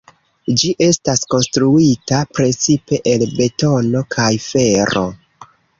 Ĝi estas konstruita precipe el betono kaj fero.